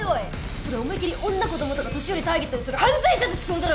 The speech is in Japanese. それ思いっきり女子供とか年寄りをターゲットにする犯罪者の思考だろ！